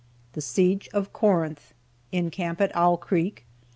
THE SIEGE OF CORINTH. IN CAMP AT OWL CREEK.